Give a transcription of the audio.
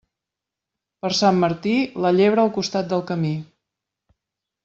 Per Sant Martí, la llebre al costat del camí.